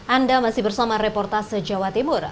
anda masih bersama reportase jawa timur